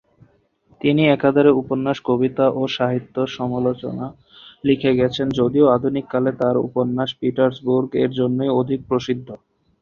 তিনি একাধারে উপন্যাস, কবিতা ও সাহিত্য সমালোচনা লিখে গেছেন, যদিও আধুনিক কালে তিনি তার উপন্যাস "পিটার্সবুর্গ"-এর জন্যই অধিক প্রসিদ্ধ।